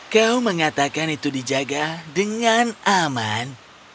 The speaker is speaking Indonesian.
kau mengatakan itu dijaga dengan aman